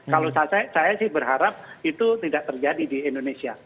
kalau saya sih berharap itu tidak terjadi di indonesia